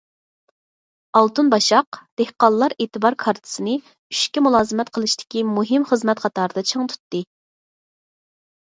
‹‹ ئالتۇن باشاق›› دېھقانلار ئېتىبار كارتىسىنى‹‹ ئۈچكە›› مۇلازىمەت قىلىشتىكى مۇھىم خىزمەت قاتارىدا چىڭ تۇتتى.